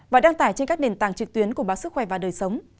và đăng tải trên các nền tảng trực tuyến của báo sức khỏe và đời sống